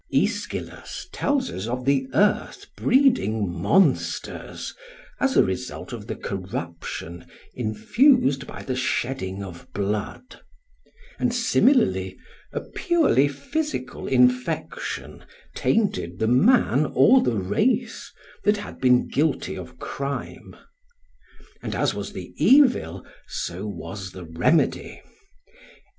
Aeschylus tells us of the earth breeding monsters as a result of the corruption infused by the shedding of blood; and similarly a purely physical infection tainted the man or the race that had been guilty of crime. And as was the evil, so was the remedy.